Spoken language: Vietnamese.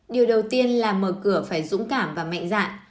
điều đầu tiên là mở cửa phải dũng cảm và mạnh dạn